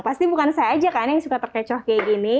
pasti bukan saya aja kan yang suka terkecoh kayak gini